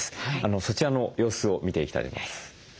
そちらの様子を見ていきたいと思います。